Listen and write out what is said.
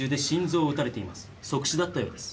即死だったようです。